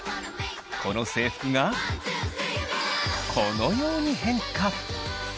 この制服がこのように変化。